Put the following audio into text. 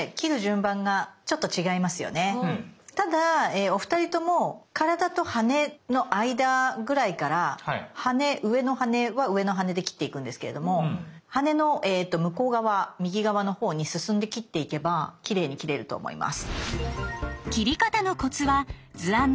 ただお二人とも体と羽の間ぐらいから羽上の羽は上の羽で切っていくんですけれども羽の向こう側右側のほうに進んで切っていけばきれいに切れると思います。